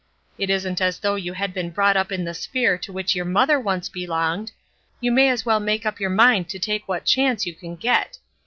It isn't as though you had been brought up in the sphere to which your mother once belonged; you may as well make up your mind to take what chance you can get.